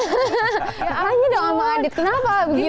ya aneh dong sama adit kenapa begitu